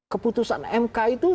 keputusan mk itu